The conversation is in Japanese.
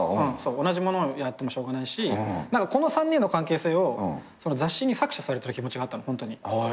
同じものをやってもしょうがないしこの３人の関係性を雑誌に搾取されてる気持ちがあったのホントに。